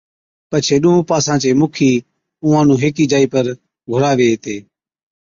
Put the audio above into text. پڇي ڏُونھُون پاسان چي مُکِي اُونھان نُون ھيڪِي جائِي پر گھُراوي ھَتي